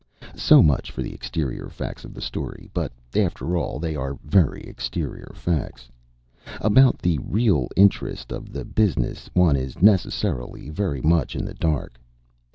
So much for the exterior facts of the story, but, after all, they are very exterior facts. About the real interest of the business one is necessarily very much in the dark.